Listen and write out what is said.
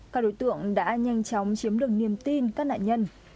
các đối tượng đã nhanh chóng chiếm được niềm tin các nạn nhân